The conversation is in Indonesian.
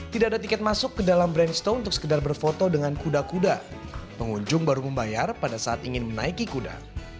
tidak ada tiket masuk ke dalam brand sto untuk sekedar berfoto dengan kuda kuda pengunjung baru membayar pada saat ingin menaiki kuda